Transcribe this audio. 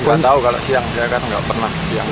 gue tahu kalau siang saya kan nggak pernah siang